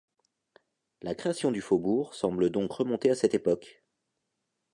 La création du faubourg semble donc remonter à cette époque.